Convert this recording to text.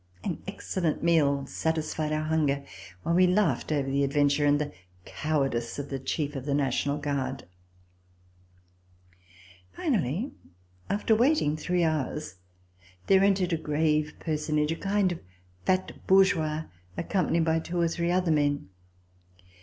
An excellent meal satisfied our hunger, while we laughed over our ad venture and the cowardice of the chief of the National Guard. Finally, after waiting three hours, there entered a grave personage, a kind of fat bourgeois, accompanied by two or three other men.